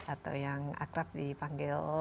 atau yang akrab dipanggil